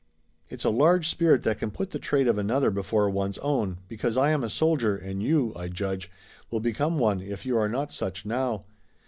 "It's a large spirit that can put the trade of another before one's own, because I am a soldier, and you, I judge, will become one if you are not such now.